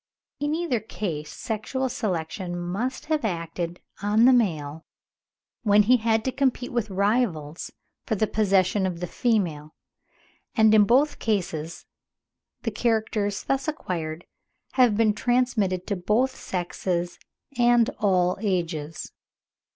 In either case sexual selection must have acted on the male when he had to compete with rivals for the possession of the female; and in both cases the characters thus acquired have been transmitted to both sexes and all ages.